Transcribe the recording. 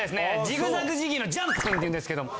ジグザグジギーのジャンプくんっていうんですけども。